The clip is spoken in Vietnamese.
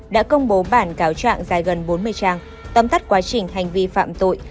đã công bố bản cáo trạng dài gần bốn mươi trang tâm tắt quá trình hành vi phạm tội